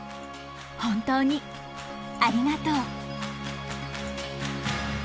本当にありがとう。